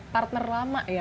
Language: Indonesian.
partner lama ya